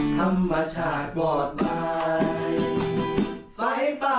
ธรรมาชาติว่าตลาย